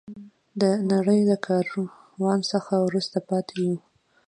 د نړۍ له کاروان څخه وروسته پاتې یو.